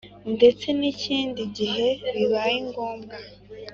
ndetse n’ikindi gihe bibaye ngombwa.